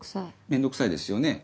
面倒くさいですよね？